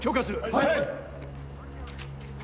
はい！